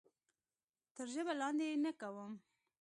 تر ژبه لاندې یې نه کوم.